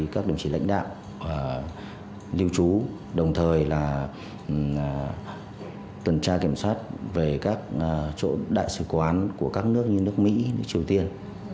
các đồng chí lãnh đạo lưu trú đồng thời là tuần tra kiểm soát về các đại sứ quán của các nước như nước mỹ nước triều tiên